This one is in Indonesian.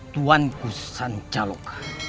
tuan ku sancaloka